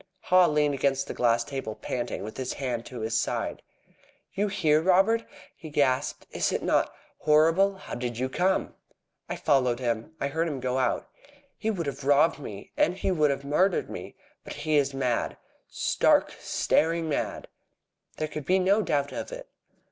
Haw leaned against the glass table panting, with his hand to his side. "You here, Robert?" he gasped. "Is it not horrible? How did you come?" "I followed him. I heard him go out." "He would have robbed me. And he would have murdered me. But he is mad stark, staring mad!" There could be no doubt of it.